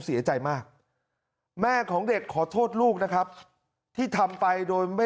เสียใจมากแม่ของเด็กขอโทษลูกนะครับที่ทำไปโดยไม่